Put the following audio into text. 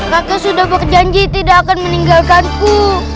kakek sudah berjanji tidak akan meninggalkanku